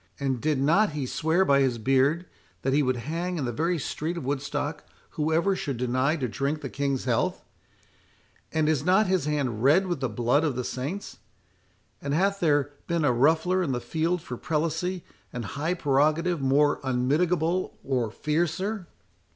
—and did not he swear by his beard, that he would hang in the very street of Woodstock whoever should deny to drink the King's health?—and is not his hand red with the blood of the saints?—and hath there been a ruffler in the field for prelacy and high prerogative more unmitigable or fiercer?"